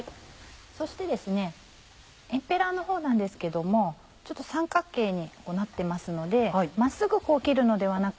そしてエンペラのほうなんですけどもちょっと三角形になってますので真っすぐ切るのではなく